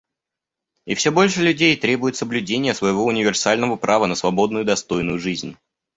И все больше людей требует соблюдения своего универсального права на свободную и достойную жизнь.